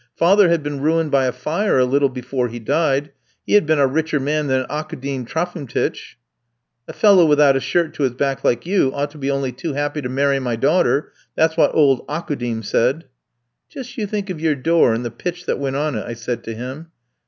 Father had been ruined by a fire a little before he died; he had been a richer man than Aukoudim Trophimtych. "'A fellow without a shirt to his back like you ought to be only too happy to marry my daughter;' that's what old Aukoudim said. "'Just you think of your door, and the pitch that went on it,' I said to him.